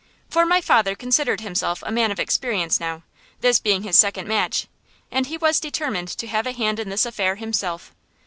For my father considered himself a man of experience now, this being his second match, and he was determined to have a hand in this affair himself.